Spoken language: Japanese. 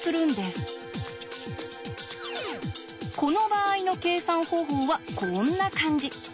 この場合の計算方法はこんな感じ。